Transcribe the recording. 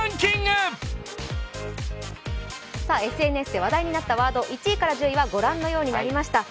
ＳＮＳで話題になったワード１位から１０位はご覧のようになりました。